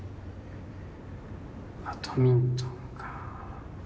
バドミントンかぁ。